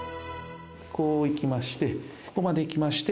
こういきましてここまできまして。